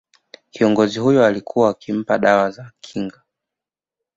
Kiongozi huyo alikuwa akimpa dawa za kinga